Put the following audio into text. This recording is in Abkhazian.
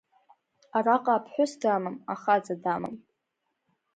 Араҟа аԥҳәыс дамам, ахаҵа дамам.